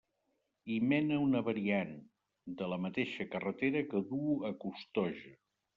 Hi mena una variant de la mateixa carretera que duu a Costoja.